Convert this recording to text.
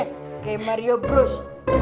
kayak mario bros